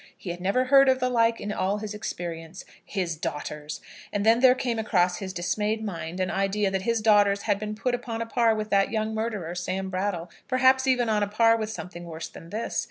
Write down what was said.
He had never heard of the like in all his experience. His daughters! And then there came across his dismayed mind an idea that his daughters had been put upon a par with that young murderer, Sam Brattle, perhaps even on a par with something worse than this.